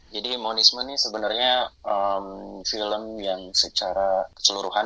jadi monisme ini sebenarnya film yang secara keseluruhan